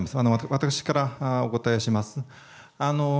私からお答えします。